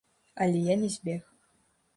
Але я не збег.